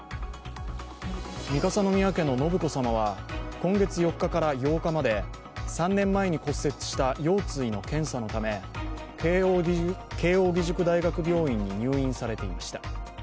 三笠宮家の信子さまは今月４日から８日まで３年前に骨折した腰椎の検査のため慶応義塾大学病院に入院されていました。